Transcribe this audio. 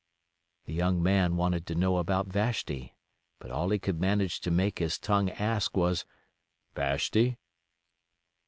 The young man wanted to know about Vashti, but all he could manage to make his tongue ask was, "Vashti?"